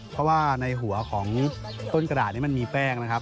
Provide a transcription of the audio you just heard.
เพราะว่าในหัวของต้นกระดาษนี้มันมีแป้งนะครับ